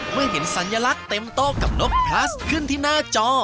เมื่อเห็นสัญลักษณ์เต็มโต๊ะกับนกพลัสขึ้นที่หน้าจอ